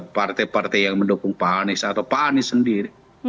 partai partai yang mendukung pak anies atau pak anies sendiri